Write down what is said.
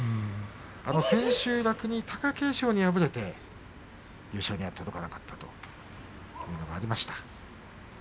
千秋楽に貴景勝に敗れて優勝には届かなかったと、いうことがありました。